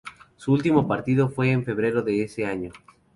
Su último partido fue en febrero de ese año.